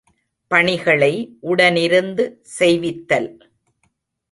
பணிகளை உடனிருந்து செய்வித்தல்.